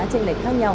chênh lệch khác nhau